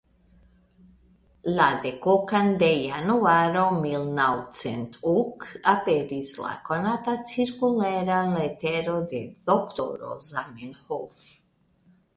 La dekokan de Januaro milnaŭcentok aperis la konata cirkulera letero de Doktoro Zamenhof.